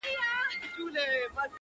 وڅڅوي اوښکي اور تر تلي کړي-